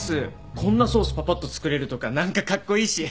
こんなソースパパッと作れるとか何かカッコイイし。